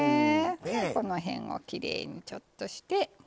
このへんをきれいにちょっとして。